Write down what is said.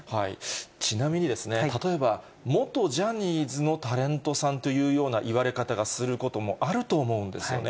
ちなみに、例えば、元ジャニーズのタレントさんというような言われ方がすることもあると思うんですよね。